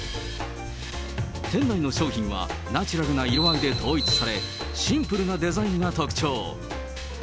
店内の商品はナチュラルな色合いで統一され、シンプルなデザインが特徴。